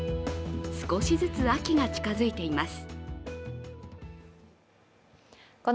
少しずつ秋が近づいています。